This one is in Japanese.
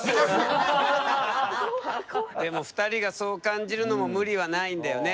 でも２人がそう感じるのも無理はないんだよね。